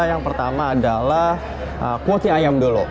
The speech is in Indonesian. yang pertama adalah kuoti ayam dulu